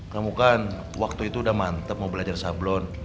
kamu kan waktu itu udah mantep mau belajar sablon